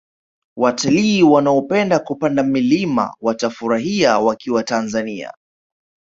watalii wanaopenda kupanda milima watafurahia wakiwa tanzania